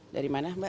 dari mana mbak